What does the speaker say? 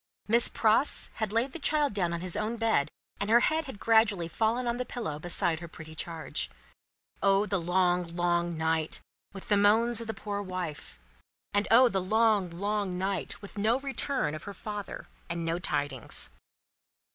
Miss Pross had laid the child down on his own bed, and her head had gradually fallen on the pillow beside her pretty charge. O the long, long night, with the moans of the poor wife! And O the long, long night, with no return of her father and no tidings!